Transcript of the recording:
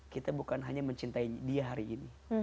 kita bukan hanya mencintai dia hari ini